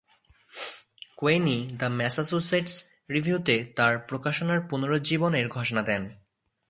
কোয়েনি "the Massachusetts রিভিউ"-তে তার প্রকাশনার পুনরুজ্জীবনের ঘোষণা দেন।